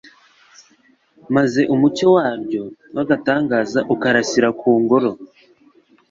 maze umucyo waryo w'agatangaza ukarasira ku ngoro